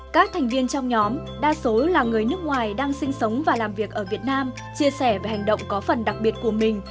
các thành viên trong nhóm đa số là người nước ngoài đang sinh sống và làm việc ở việt nam chia sẻ về hành động có phần đặc biệt của mình